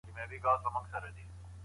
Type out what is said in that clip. په مابينځ کي يوه لويه هيله پاته ده.